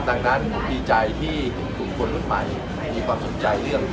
นักเรียนที่มีความสนใจกับการเมือง